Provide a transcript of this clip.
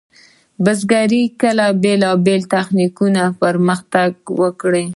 په بزګرۍ کې بیلابیلو تخنیکونو پرمختګ وکړ.